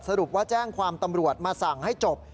สรุปว่าแจ้งความตำรวจมาสั่งให้จบ